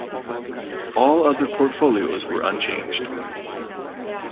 All other portfolios were unchanged.